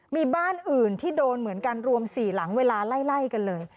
มีบ้านอื่นที่โดนเหมือนกันรวม๔หลังเวลาไล่กันเลย